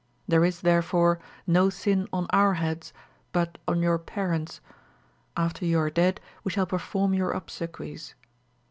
There is, therefore, no sin on our heads, but on your parents. After you are dead, we shall perform your obsequies.'